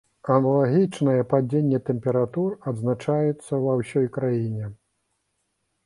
Аналагічнае падзенне тэмператур адзначаецца ва ўсёй краіне.